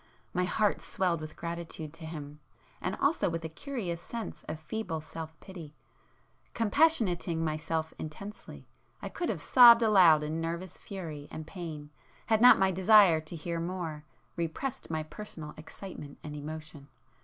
My heart swelled with gratitude to him, and also with a curious sense of feeble self pity,—compassionating myself intensely, I could have sobbed aloud in nervous fury and pain, had not my desire to hear more, repressed my personal excitement and emotion.